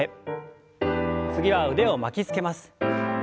次は腕を巻きつけます。